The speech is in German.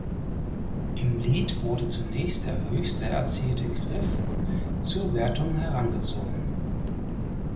Im Lead wurde zunächst der höchste erzielte Griff zur Wertung herangezogen.